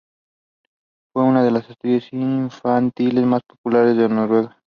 Fue una de las estrellas infantiles más populares de Noruega.